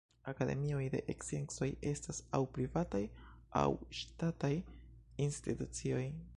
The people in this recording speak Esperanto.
Akademioj de Sciencoj estas aŭ privataj aŭ ŝtataj institucioj.